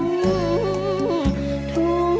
ทุ่งกระจงทอม